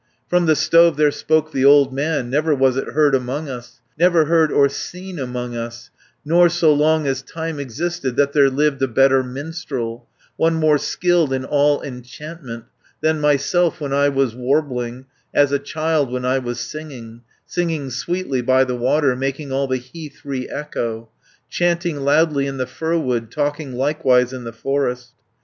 From the stove there spoke the old man, "Never was it heard among us, Never heard or seen among us, Nor so long as time existed, That there lived a better minstrel, One more skilled in all enchantment, 330 Than myself when I was warbling, As a child when I was singing, Singing sweetly by the water, Making all the heath re echo, Chanting loudly in the firwood, Talking likewise In the forest.